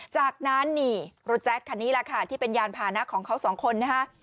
จากนั้นนี่รถแจ๊คคันนี้แหละค่ะที่เป็นยานพานะของเขาสองคนนะฮะ